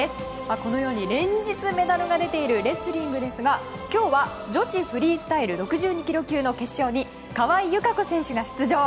このように、連日メダルが出ている、レスリングですが今日は女子フリースタイル６２ｋｇ級の決勝に川井友香子選手が出場。